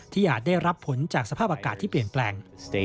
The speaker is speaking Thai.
อาจได้รับผลจากสภาพอากาศที่เปลี่ยนแปลง